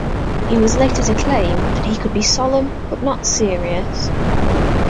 He was later to claim that he could be 'solemn but not serious'.